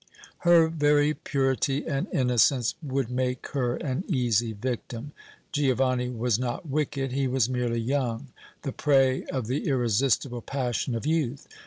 Her very purity and innocence would make her an easy victim. Giovanni was not wicked; he was merely young, the prey of the irresistible passion of youth.